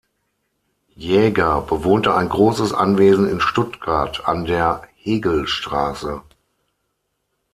Jäger bewohnte ein großes Anwesen in Stuttgart an der Hegelstraße.